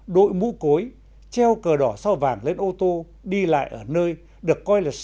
đội mũ cối treo cờ đỏ sao vàng lên ô tô đi lại ở nơi được coi là số